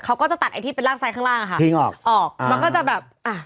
เขาก็จะตัดไอ้ที่เป็นรากซ้ายข้างล่างอะค่ะทิ้งออกออกมันก็จะแบบอ่ะ